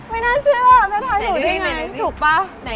ไม่น่าเชื่อแต่ถ่ายถูกได้ไง